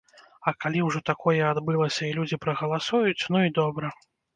А калі ўжо такое адбылася і людзі прагаласуюць, ну і добра!